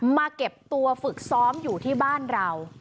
มาเก็บตัวฝึกซ้อมอยู่ที่บ้านเรา